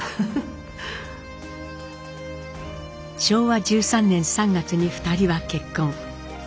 昭和１３年３月に２人は結婚。